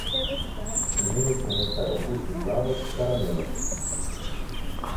Imeli smo nekaj okusnih jabolk s karamelo.